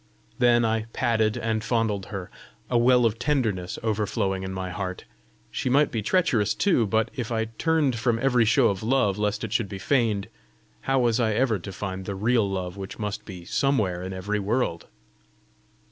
Then I patted and fondled her, a well of tenderness overflowing in my heart: she might be treacherous too, but if I turned from every show of love lest it should be feigned, how was I ever to find the real love which must be somewhere in every world?